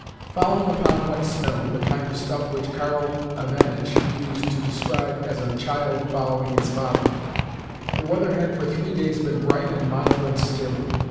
Following upon wet snow (the kind of stuff which Karl Ivanitch used to describe as "a child following, its father"), the weather had for three days been bright and mild and still.